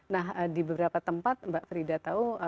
nah di beberapa tempat mbak frida tahu